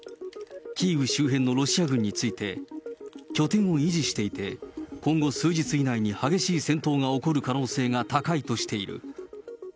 キーウ周辺のロシア軍について、拠点を維持していて、今後数日以内に激しい戦闘が起こる可能性が高いとしている。